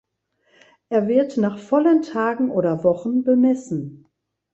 Er wird nach vollen Tagen oder Wochen bemessen.